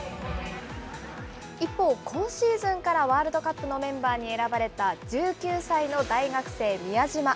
一方、今シーズンからワールドカップのメンバーに選ばれた１９歳の大学生、宮嶋。